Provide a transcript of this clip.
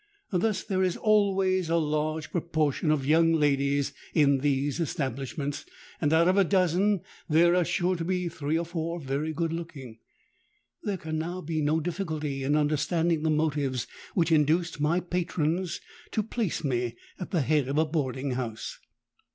Thus there is always a large proportion of young ladies in those establishments; and out of a dozen there are sure to be three or four very good looking. There can now be no difficulty in understanding the motives which induced my patrons to place me at the head of a boarding house.